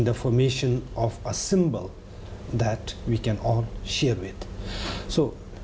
ดิฟังว่าบุมิบัลอดิวาเลดิศ